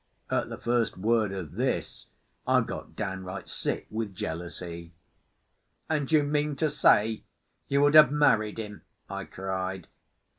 At the first word of this I got downright sick with jealousy. "And you mean to say you would have married him?" I cried.